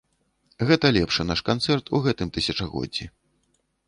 Гэта лепшы наш канцэрт у гэтым тысячагоддзі.